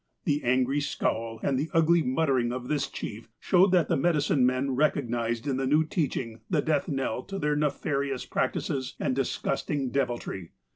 The angry scowl and the ugly muttering of this chief showed that the medicine men recognized in the new teaching the death knell to their nefarious practices and disgusting deviltry.